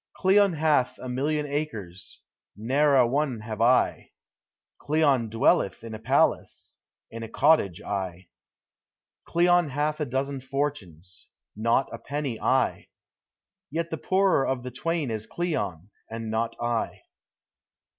Cleon hath a million acres, ne'er a one have I; Cleon dwelleth in a palace, in a cottage I; Cleon hath a dozen fortunes, not a penny I; Yet the poorer of the twain is Cleon, and not I.